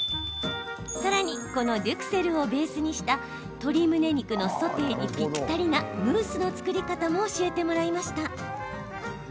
さらに、このデュクセルをベースにした鶏むね肉のソテーにぴったりなムースの作り方も教えてもらいました。